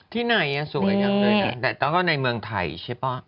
ที่ไหนอ่ะสวยดีหรือยังอย่างด้วยนะแต่ต้องเกาะในเมืองไทยใช่ปะ